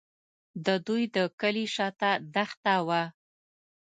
د دوی د کلي شاته دښته وه.